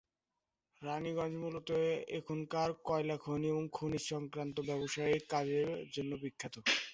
রাণীগঞ্জ মূলত এখানকার কয়লা খনি এবং খনিজ সংক্রান্ত ব্যবসায়িক কাজের জন্য বিখ্যাত।